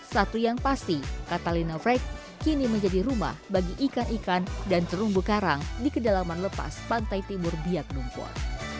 satu yang pasti catalina wreck kini menjadi rumah bagi ikan ikan dan terumbu karang di kedalaman lepas pantai timur biak numfor